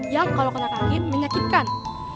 yang kalau kena sakit menyakitkan